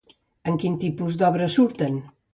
En quin tipus d'obres surten?